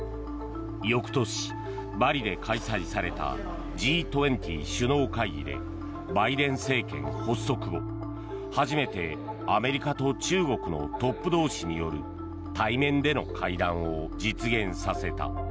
翌年、バリで開催されたＧ２０首脳会議でバイデン政権発足後初めてアメリカと中国のトップ同士による対面での会談を実現させた。